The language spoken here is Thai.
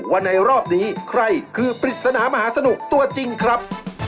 ว่าในรอบนี้ใครคือปริศนามหาสนุกตัวจริงครับ